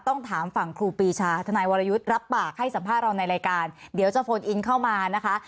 ต้องถามฝั่งครูปีชาธนายวรยุทธ์รับปากให้สัมภาษณ์เราในรายการเดี๋ยวจะโฟนอินเข้ามานะคะ